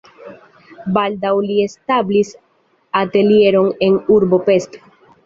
Baldaŭ li establis atelieron en urbo Pest.